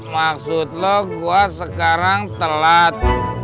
maksud lo gua sekarang telat